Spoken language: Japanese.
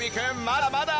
まだまだ！